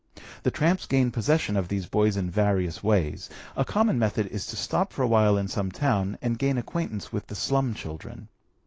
The tramps gain possession of these boys in various ways. A common method is to stop for awhile in some town, and gain acquaintance with the slum children.